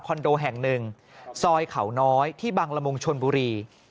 โดแห่งหนึ่งซอยเขาน้อยที่บังละมุงชนบุรี